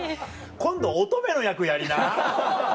今度乙女の役やりな。